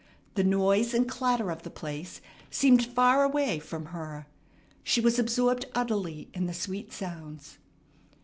The noise and clatter of the place seemed far away from her. She was absorbed utterly in the sweet sounds.